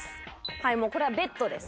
はいもうこれはベッドです